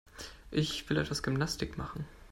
Ich will etwas Gymnastik machen.